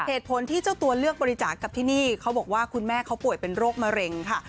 เหตุผลที่เจ้าตัวเลือกบริจาคกับที่นี่เขาบอกว่าคุณแม่เขาป่วยเป็นโรคมะเร็งค่ะ